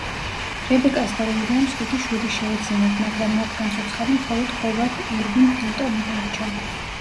რებეკას და უილიამს ხუთი შვილი შეეძინათ, მაგრამ მათგან ცოცხალი მხოლოდ ჰოვარდ ერვინ ფელტონი დარჩა.